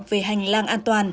về hành lang an toàn